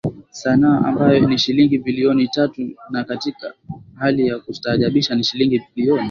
sana ambayo ni shilingi bilioni tatu na katika hali ya kustaajabisha ni shilingi bilioni